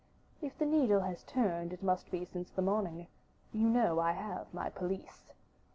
"If the needle has turned, it must be since the morning. You know I have my police."